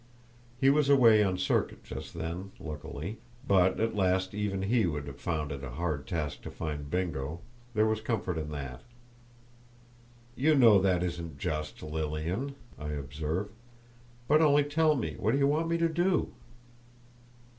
He was away on circuit just then, luckily; but, at least, even he would have found it a hard task to find Bingo—there was comfort in that. "You know that isn't just, Lilian," I observed; "but only tell me what you want me to do."